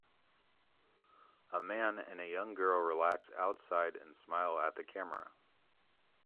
A man and a young girl relax outside and smile at the camera.